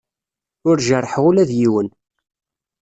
Ur jerrḥeɣ ula d yiwen.